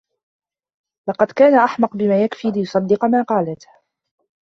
لقد كان أحمق بما يكفي ليصدق ما قالته.